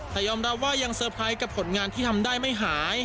แต่ยอมรับว่ายังเตอร์ไพรส์กับผลงานที่ทำได้ไม่หาย